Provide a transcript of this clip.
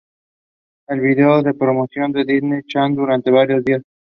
El video se promocionó en Disney Channel durante varios días.